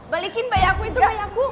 balikin bayi aku itu bayi aku